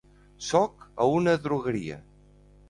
Sóc a una drogueria.